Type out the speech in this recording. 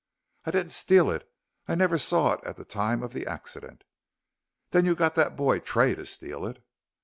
"I didn't steal it. I never saw it at the time of the accident." "Then you got that boy Tray to steal it."